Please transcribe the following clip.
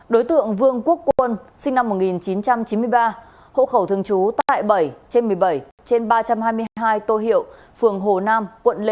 đối tượng vương quốc quân sinh năm một nghìn chín trăm chín mươi ba hộ khẩu thường trú tại bảy trên một mươi bảy trên ba trăm hai mươi hai tô hiệu phường hồ nam quận lê